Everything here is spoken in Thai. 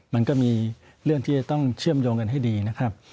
มันก็มีเรื่องที่จะต้องเชื่อมโยงกันให้ดีนะครับ